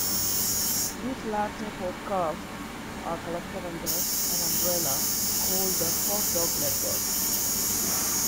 These latter podcasts are collected under an umbrella called the "Hot Dog Network".